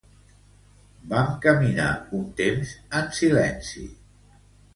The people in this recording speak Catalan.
Vam caminar un temps en silenci.